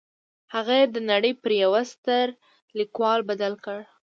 هغه يې د نړۍ پر يوه ستر ليکوال بدل کړ.